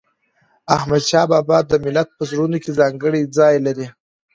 احمدشاه بابا د ملت په زړونو کې ځانګړی ځای لري.